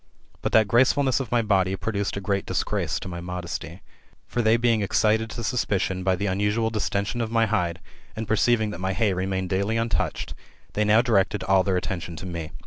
But that graceful ness of my body produced a great disgrace to my modesty. For they being excited [to suspicion] by the unusual distention of my hide, and perceiving that my hay remained daily untouched, they now directed all their attention to me.